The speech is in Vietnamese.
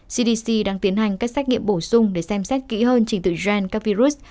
cdc đang tiến hành các xét nghiệm bổ sung để xem xét kỹ hơn trình tự gen các virus